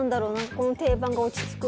この定番が落ち着く。